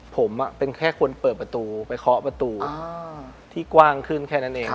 ผมเป็นแค่คนเปิดประตูไปเคาะประตูที่กว้างขึ้นแค่นั้นเอง